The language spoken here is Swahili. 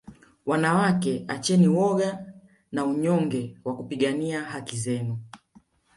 wanawake acheni woga na unyonge wa kupigania haki zenu